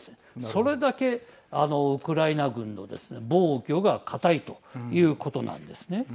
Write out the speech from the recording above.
それだけ、ウクライナ軍の防御がかたいということなんですね。